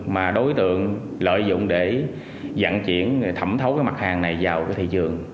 mà đối tượng lợi dụng để dặn chuyển thẩm thấu mặt hàng này vào thị trường